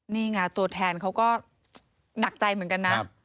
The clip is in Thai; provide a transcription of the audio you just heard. นี่ไงตัวแทนเขาก็หนักใจเหมือนกันนะ